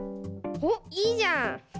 おっいいじゃん。